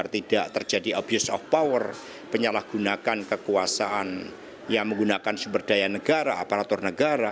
tidak terjadi abuse of power penyalahgunakan kekuasaan yang menggunakan sumber daya negara aparatur negara